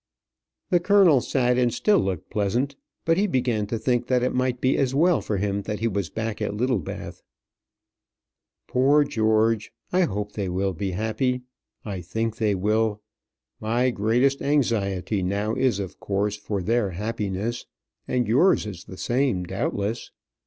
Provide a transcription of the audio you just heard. The colonel sat and still looked pleasant, but he began to think that it might be as well for him that he was back at Littlebath. "Poor George! I hope they will be happy. I think they will; my greatest anxiety now is of course for their happiness; and yours is the same, doubtless.